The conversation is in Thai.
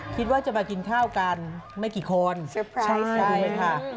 คิดว่าจะมากินเข้ากันไม่กี่คนดูมั้ยคะสเตอร์ไพรส์บัน